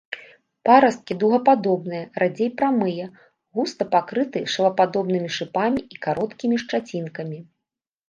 Парасткі дугападобныя, радзей прамыя, густа пакрыты шылападобнымі шыпамі і кароткімі шчацінкамі.